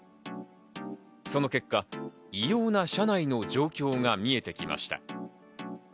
その結果、異様な車内の状況が見えてきました。